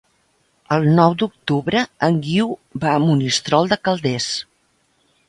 El nou d'octubre en Guiu va a Monistrol de Calders.